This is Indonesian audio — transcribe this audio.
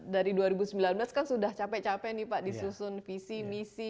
dari dua ribu sembilan belas kan sudah capek capek nih pak disusun visi misi